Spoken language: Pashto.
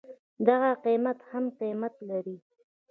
دغه قيمت هم قيمت لري.